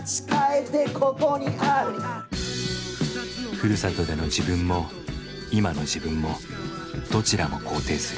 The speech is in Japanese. ふるさとでの自分も今の自分もどちらも肯定する。